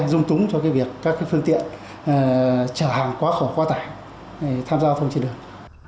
dung túng cho việc các phương tiện chở hàng quá khổ quá tải tham gia giao thông trên đường